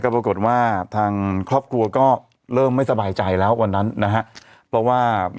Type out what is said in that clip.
ปรากฏว่าทางครอบครัวก็เริ่มไม่สบายใจแล้ววันนั้นนะฮะเพราะว่า